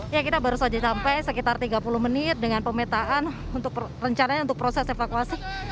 ya kita baru saja sampai sekitar tiga puluh menit dengan pemetaan untuk rencananya untuk proses evakuasi